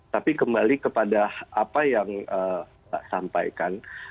tapi kembali kepada apa yang mbak sampaikan